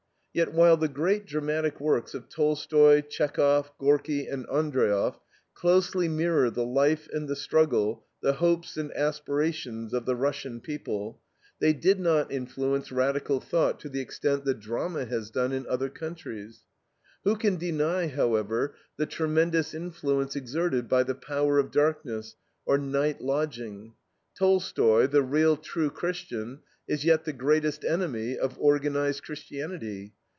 Yet while the great dramatic works of Tolstoy, Tchechov, Gorki, and Andreiev closely mirror the life and the struggle, the hopes and aspirations of the Russian people, they did not influence radical thought to the extent the drama has done in other countries. Who can deny, however, the tremendous influence exerted by THE POWER OF DARKNESS or NIGHT LODGING. Tolstoy, the real, true Christian, is yet the greatest enemy of organized Christianity.